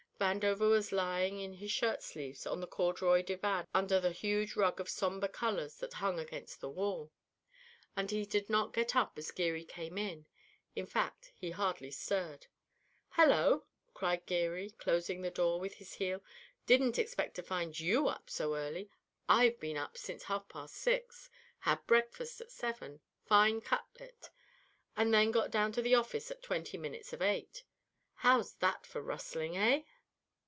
Vandover was lying in his shirt sleeves on the corduroy divan under the huge rug of sombre colours that hung against the wall, and he did not get up as Geary came in; in fact, he hardly stirred. "Hello!" cried Geary, closing the door with his heel. "Didn't expect to find you up so early. I've been up since half past six; had breakfast at seven, fine cutlet, and then got down to the office at twenty minutes of eight. How's that for rustling, hey?"